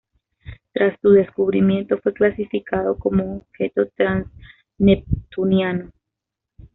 Tras su descubrimiento, fue clasificado como un objeto transneptuniano.